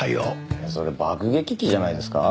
いやそれ爆撃機じゃないですか？